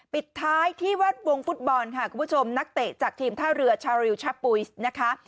ปิดท้ายที่แวดวงฟุตบอลค่ะคุณผู้ชมนักเตะจากทีมท่าเรือชาริวชะปุยสนะคะ